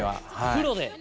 プロで？